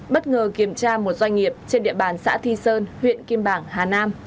bất ngờ kiểm tra một doanh nghiệp trên địa bàn xã thi sơn huyện kim bảng hà nam